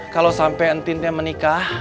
kalau sampai entin teh menikah